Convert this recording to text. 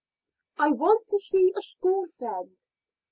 "I want to see a school friend."